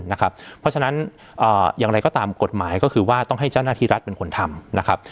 เพราะฉะนั้นอย่างไรก็ตามกฎหมายก็คือว่าต้องให้เจ้าหน้าที่รัฐเป็นคนทำนะครับ